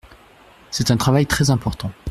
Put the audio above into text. C’est un travail très important.